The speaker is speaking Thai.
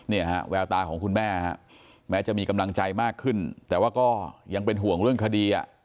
เนี่ยฮะแววตาของคุณแม่ฮะแม้จะมีกำลังใจมากขึ้นแต่ว่าก็ยังเป็นห่วงเรื่องคดีอ่ะ